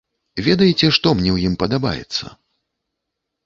Ведаеце, што мне ў ім падабаецца?